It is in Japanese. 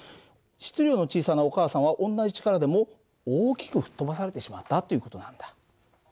質量の小さなお母さんは同じ力でも大きく吹っ飛ばされてしまったっていう事なんだ。